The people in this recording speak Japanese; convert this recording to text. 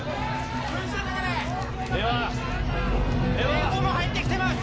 映像も入ってきてます！